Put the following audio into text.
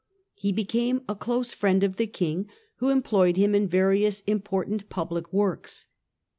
He became a close friend of the king, who employed him in various important public works.